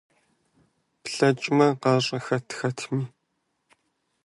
ПлъэкӀмэ, къащӀэ хэт хэтми!